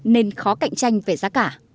nên khó cạnh tranh về giá cả